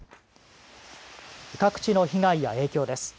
各地の被害や影響です。